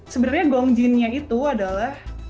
sebenarnya gong jinnya itu adalah